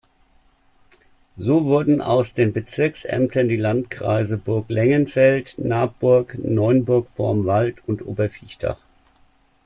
So wurden aus den Bezirksämtern die Landkreise Burglengenfeld, Nabburg, Neunburg vorm Wald und Oberviechtach.